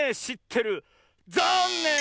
ざんねん！